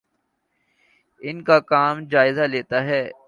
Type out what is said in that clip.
اُن کے کام کا جائزہ لیتے ہیں